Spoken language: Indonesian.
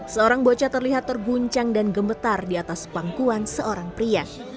seorang bocah terlihat terguncang dan gemetar di atas pangkuan seorang pria